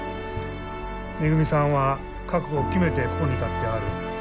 めぐみさんは覚悟を決めてここに立ってはる。